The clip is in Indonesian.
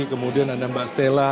kemudian ada mbak stella